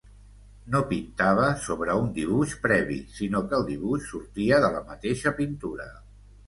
No pintava sobre un dibuix previ, sinó que el dibuix sortia de la mateixa pintura.